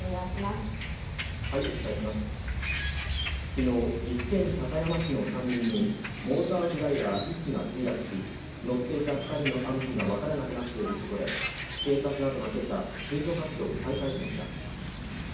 昨日、岐阜県高山市の山林にモーターグライダー１機が墜落し乗っていた２人の安否が分からなくなっている事故で、警察などが今朝、救助活動を再開しました。